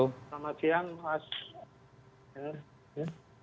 selamat siang mas